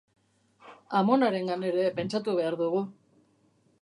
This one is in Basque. Amonarengan ere pentsatu behar dugu.